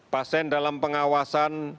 pasien dalam pengawasan